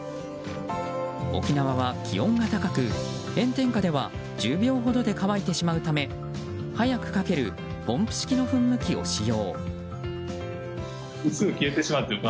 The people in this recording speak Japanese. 沖縄は気温が高く炎天下では１０秒ほどで乾いてしまうため早く描けるポンプ式の噴霧器を使用。